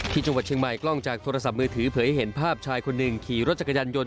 ที่จังหวัดเชียงใหม่กล้องจากโทรศัพท์มือถือเผยให้เห็นภาพชายคนหนึ่งขี่รถจักรยานยนต